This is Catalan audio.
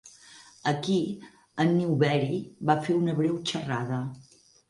Aquí en Newbery va fer una breu xerrada.